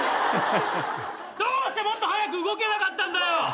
どうしてもっと早く動けなかったんだよ。